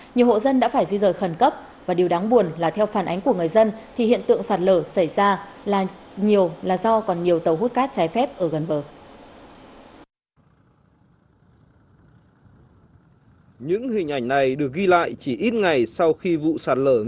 nhiều hộ dân đã phải di rời khẩn cấp và điều đáng buồn là theo phản ánh của người dân thì hiện tượng sạt lở xảy ra là nhiều là do còn nhiều tàu hút cát trái phép ở gần bờ